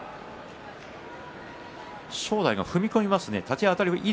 正代が踏み込みますね。